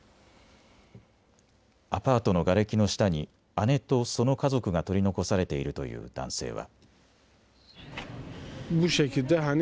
アパートのがれきの下に姉とその家族が取り残されているという男性は。